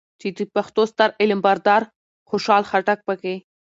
چې د پښتو ستر علم بردار خوشحال خټک پکې